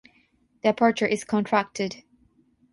The aperture is contracted.